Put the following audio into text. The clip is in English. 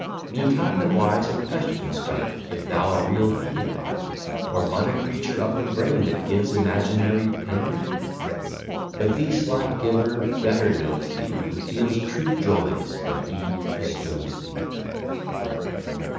Meantime, the wise a question start, If thou a real being art; Or but a creature of the brain, That gives imaginary pain? But the sly giver better knows thee; Who feels true joys when he bestows thee.